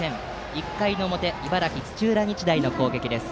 １回の表、茨城・土浦日大の攻撃。